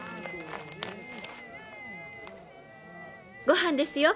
ごはんですよ